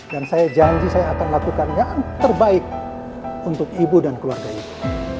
dan saya janji saya akan lakukan yang terbaik untuk ibu dan keluarga ibu